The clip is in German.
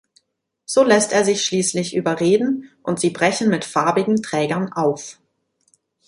So lässt er sich schließlich überreden, und sie brechen mit farbigen Trägern auf.